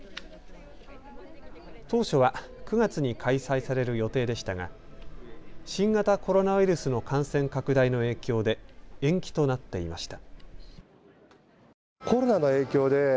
当初は９月に開催される予定でしたが新型コロナウイルスの感染拡大の影響で延期となっていました。